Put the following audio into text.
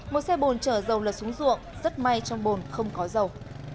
một xe bồn chở dầu lật xuống ruộng rất may trong bồn không có dầu